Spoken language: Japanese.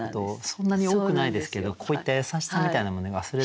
そんなに多くないですけどこういった優しさみたいなもの忘れずに。